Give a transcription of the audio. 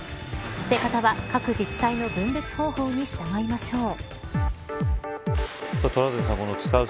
捨て方は各自治体の分別方法に従いましょう。